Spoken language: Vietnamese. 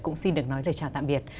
cũng xin được nói lời chào tạm biệt